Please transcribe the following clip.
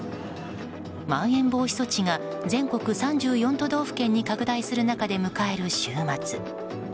まん延防止措置が全国３４都道府県に拡大する中で迎える週末。